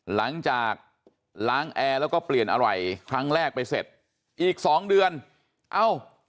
หลังจากล้างแอร์แล้วก็เปลี่ยนอะไรครั้งแรกไปเสร็จอีกสองเดือนเอ้า